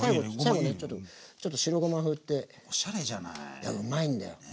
いやうまいんだよね。